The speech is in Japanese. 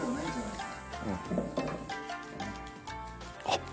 あっ！